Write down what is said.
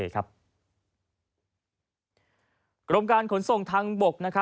กรมการขนส่งทางบก